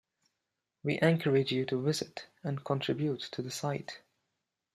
We encourage you to visit and contribute to the site.